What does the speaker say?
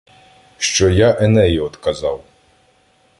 Що я Енею одказав.